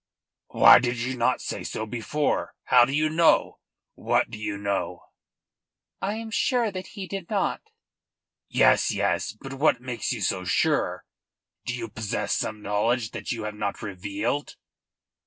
"Why did you not say so before? How do you know? What do you know?" "I am sure that he did not." "Yes, yes. But what makes you so sure? Do you possess some knowledge that you have not revealed?"